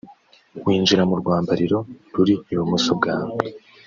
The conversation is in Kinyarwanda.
winjira mu rwambariro ruri ibumoso bwawe